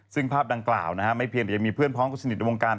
ซึ่งภาพดังกล่าวไม่เพียงแต่ยังมีเพื่อนพร้อมคนสนิทในวงการ